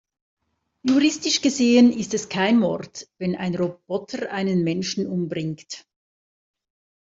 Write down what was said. Juristisch gesehen ist es kein Mord, wenn ein Roboter einen Menschen umbringt.